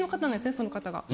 その方が。